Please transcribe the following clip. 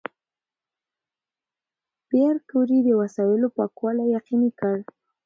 پېیر کوري د وسایلو پاکوالی یقیني کړ.